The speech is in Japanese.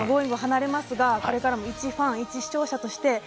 離れますがこれからもいちファンいち視聴者として